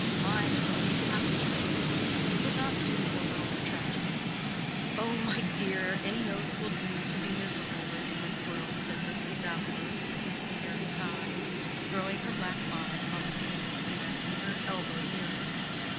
Mine is only a happy nose; it would not do so well for tragedy." "Oh, my dear, any nose will do to be miserable with in this world," said Mrs. Davilow, with a deep, weary sigh, throwing her black bonnet on the table, and resting her elbow near it.